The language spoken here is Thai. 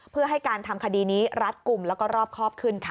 เพื่อให้การทำคดีนี้รัดกลุ่มแล้วก็รอบครอบขึ้นค่ะ